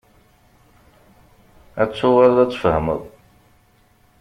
Ad tuɣaleḍ ad tfehmeḍ.